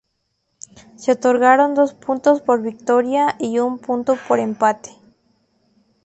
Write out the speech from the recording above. Se otorgaron dos puntos por victoria y un punto por empate.